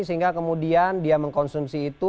sehingga kemudian dia mengkonsumsi itu